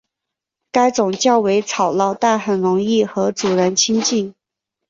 该种较为吵闹但很容易和主人亲近。